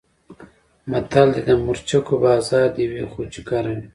متل دی: د مرچکو بازار دې وي خو چې ګرم وي.